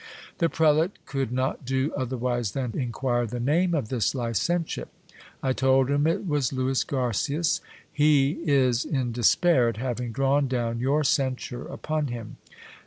The prelate could not do otherwise than inquire the name of this licentiate. I told him it was Lewis Garcias. He is in despair at having drawn down your censure upon him.